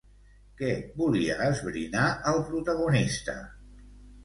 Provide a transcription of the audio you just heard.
Què volia esbrinar el protagonista?